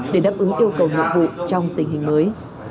để đáp ứng yêu cầu nhiệm vụ trong tình hình mới